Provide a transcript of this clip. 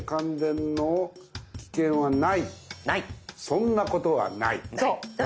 そんなことはない。